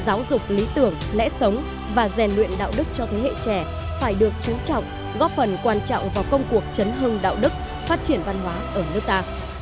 giáo dục lý tưởng lẽ sống và rèn luyện đạo đức cho thế hệ trẻ phải được trú trọng góp phần quan trọng vào công cuộc chấn hương đạo đức phát triển văn hóa ở nước ta